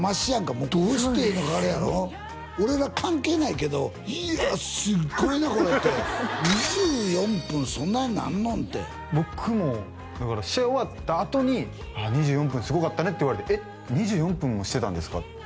もうどうしてええか俺は関係ないけど「いやあすっごいなこれ」て２４分そんなになんのんて僕もだから試合終わったあとに「２４分すごかったね」って言われて「えっ２４分もしてたんですか？」